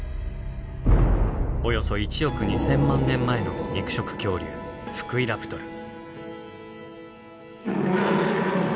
およそ１億２，０００万年前の肉食恐竜フクイラプトル。